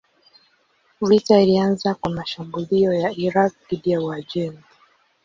Vita ilianza kwa mashambulio ya Irak dhidi ya Uajemi.